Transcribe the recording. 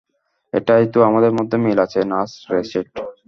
এটাই তো আমাদের মধ্যে মিল আছে, নার্স রেচেড।